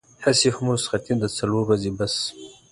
هسې هم رخصتي ده څلور ورځې بس.